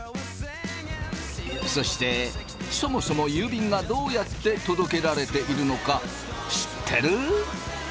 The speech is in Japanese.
そしてそもそも郵便がどうやって届けられているのか知ってる？